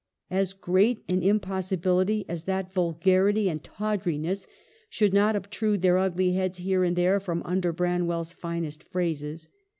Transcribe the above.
As great an impossibility as that vulgarity and tawdriness should not obtrude their ugly heads here and there from under Branwell's finest phrases.